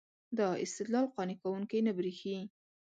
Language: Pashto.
دا استدلال قانع کوونکی نه برېښي.